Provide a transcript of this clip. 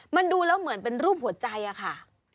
มันดูแล้วเหมือนเป็นรูปหัวใจอะค่ะ